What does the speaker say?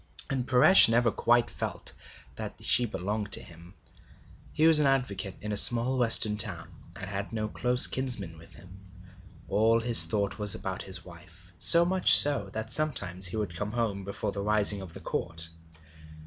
And Paresh never felt quite that she belonged to him. He was an advocate in a small western town, and had no close kinsman with him. All his thought was about his wife, so much so that sometimes he would come home before the rising of the Court.